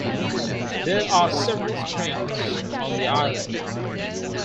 There are several springs on the island.